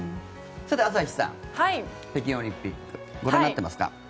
さて、朝日さん北京オリンピックご覧になってますか？